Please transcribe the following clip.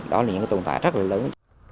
đó là những tồn tại rất là lớn